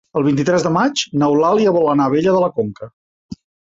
El vint-i-tres de maig n'Eulàlia vol anar a Abella de la Conca.